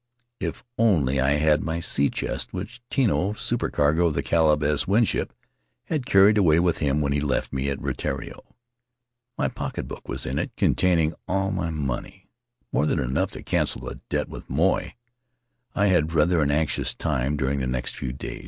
If only I had my sea chest which Tino, supercargo of the Caleb S. Winship, had carried away with him when he left me at Rutiaro! My pocketbook was in it, containing all of my money, more than enough to cancel the debt with Moy. I had rather an anxious time during the next few days.